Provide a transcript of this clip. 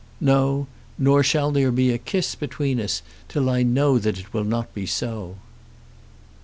No; nor shall there be a kiss between us till I know that it will not be so."